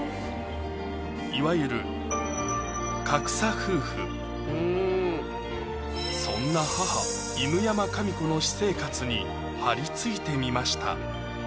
いわゆるそんな母・犬山紙子の私生活に張り付いてみました